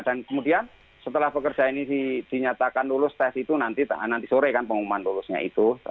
kemudian setelah pekerja ini dinyatakan lulus tes itu nanti sore kan pengumuman lulusnya itu